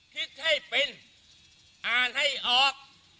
เก็บผลกินไหม